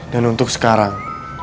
dan untuk sekarang